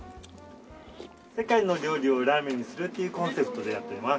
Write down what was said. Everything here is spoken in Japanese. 世界の料理をラーメンにするというコンセプトでやっています。